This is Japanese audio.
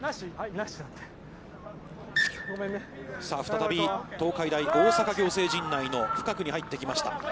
さあ再び東海大大阪仰星陣内の深くに入ってきました。